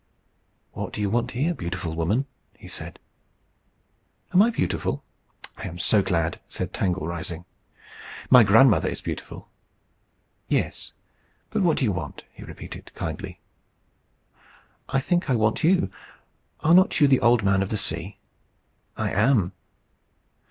"What do you want here, beautiful woman?" he said. "Am I beautiful? I am so glad!" said Tangle, rising. "My grandmother is beautiful." "Yes. But what do you want?" he repeated, kindly. "I think I want you. Are not you the Old Man of the Sea?" "I am."